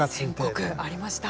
線刻、ありました。